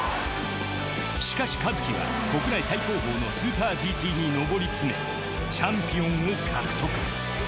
しかし一樹は国内最高峰のスーパーＧＴに上り詰めチャンピオンを獲得。